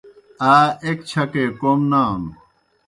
آ ایْک چَھکے کوْم نانوْ۔